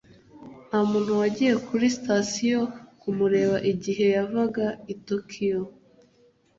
ntamuntu wagiye kuri sitasiyo kumureba igihe yavaga i tokiyo